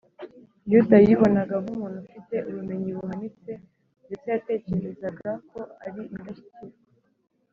yuda yibonaga nk’umuntu ufite ubumenyi buhanitse, ndetse yatekerezaga ko ari indashyikirwa